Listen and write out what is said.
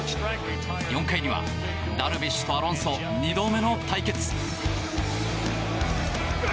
４回にはダルビッシュとアロンソ２度目の対決。